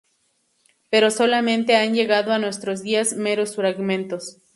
Pero solamente han llegado a nuestros días meros fragmentos.